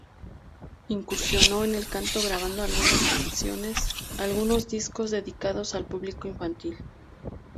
Incursionó en el canto grabando algunos discos dedicados al público infantil.